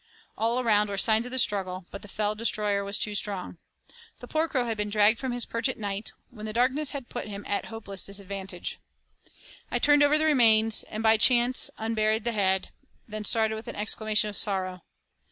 All around were signs of the struggle, but the fell destroyer was too strong. The poor crow had been dragged from his perch at night, when the darkness bad put him at a hopeless disadvantage. I turned over the remains, and by chance unburied the head then started with an exclamation of sorrow.